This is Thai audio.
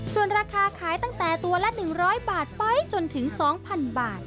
ส่วนราคาขายตั้งแต่ตัวละ๑๐๐บาทไปจนถึง๒๐๐๐บาท